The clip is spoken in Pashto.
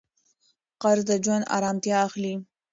قرض د ژوند ارامتیا اخلي.